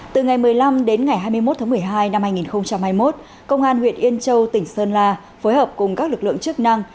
từ ngày một mươi năm đến ngày hai mươi một tháng một mươi hai năm hai nghìn hai mươi một công an huyện yên châu tỉnh sơn la phối hợp cùng các lực lượng chức năng